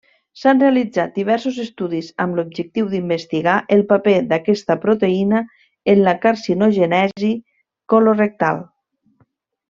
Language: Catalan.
S'han realitzat diversos estudis amb l'objectiu d'investigar el paper d'aquesta proteïna en la carcinogènesi colorectal.